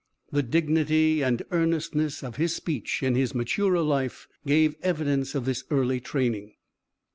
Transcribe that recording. The dignity and earnestness of his speech in his maturer life gave evidence of this early training.